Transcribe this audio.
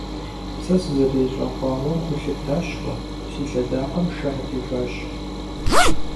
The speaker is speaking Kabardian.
Сэ сызэрещӀэкъуауэм гу лъыптащ уэ: си лъэдакъэм шэ къытехуащ.